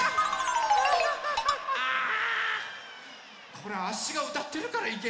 これあっしがうたってるからいけないのかな。